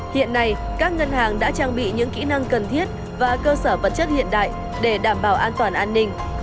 hiện nay các ngân hàng đã trang bị những kỹ năng cần thiết và cơ sở vật chất hiện đại để đảm bảo an toàn an ninh